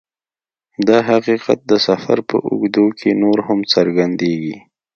دا حقیقت د سفر په اوږدو کې نور هم څرګندیږي